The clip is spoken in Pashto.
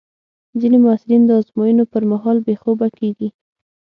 ځینې محصلین د ازموینو پر مهال بې خوبه کېږي.